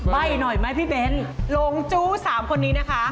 ใบ้หน่อยไหมพี่เบ้นลงจู้๓คนนี้นะคะ